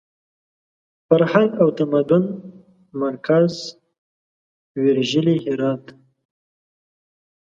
د فرهنګ او تمدن مرکز ویرژلي هرات ته!